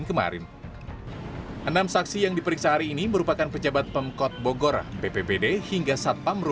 dan insya allah hari ini kemudian besok juga ada pemeriksaan lagi